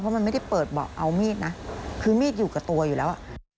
เพราะมันไม่ได้เปิดเอามีดนะคือมีดอยู่กับตัวอยู่แล้ว